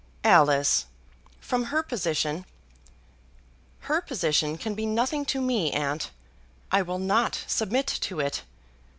"Alice, from her position " "Her position can be nothing to me, aunt. I will not submit to it.